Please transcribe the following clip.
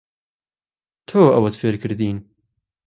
تۆ ئەوەت فێر کردین.